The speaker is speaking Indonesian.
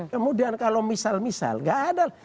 kemudian kalau misal misal nggak ada